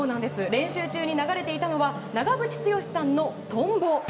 練習中に流れていたのは長渕剛さんの「とんぼ」。